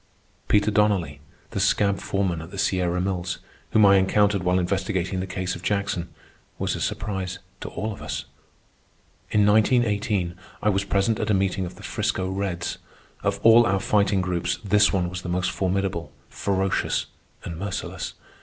Peter Donnelly, the scab foreman at the Sierra Mills whom I encountered while investigating the case of Jackson, was a surprise to all of us. In 1918 I was present at a meeting of the 'Frisco Reds. Of all our Fighting Groups this one was the most formidable, ferocious, and merciless.